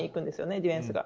ディフェンスが。